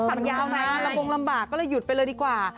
ทำยาวนานลำบงลำบากก็เลยหยุดไปเลยดีกว่า